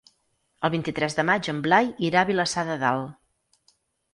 El vint-i-tres de maig en Blai irà a Vilassar de Dalt.